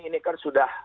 ini kan sudah